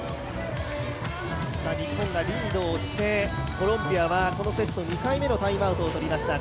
日本がリードをしてコロンビアは、このセット２回目のタイムアウトを取りました